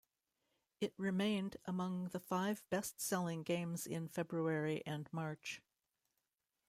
It remained among the five best-selling games in February and March.